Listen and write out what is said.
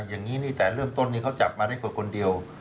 อย่างนี้แหละรวมต้นนี้เขาจับมาได้คนเดียว